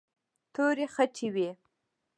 تورې خټې وې.